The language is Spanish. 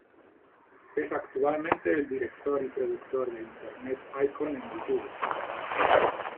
Es actualmente el director y productor de "Internet Icon" en YouTube.